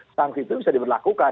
setangki itu bisa diberlakukan